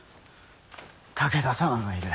武田様がいる。